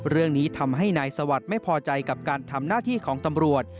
เรื่องนี้ทำให้นายสวัสดิ์ไม่พอใจกับการทำหน้าที่ของตำรวจ